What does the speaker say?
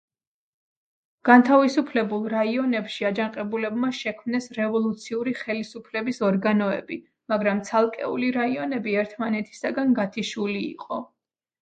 განთავისუფლებულ რაიონებში აჯანყებულებმა შექმნეს რევოლუციური ხელისუფლების ორგანოები, მაგრამ ცალკეული რაიონები ერთმანეთისაგან გათიშული იყო.